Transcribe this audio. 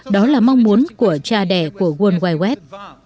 đó là mong muốn của cha đẻ của world wide web